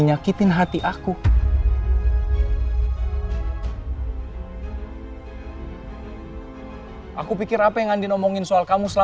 job baru pada cancel semua